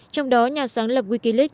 trong đó nhà sáng lập wikileaks